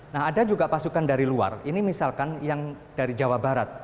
nah ada juga pasukan dari luar ini misalkan yang dari jawa barat